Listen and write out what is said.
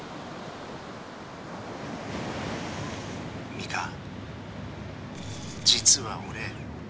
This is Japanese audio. ミカ実は俺。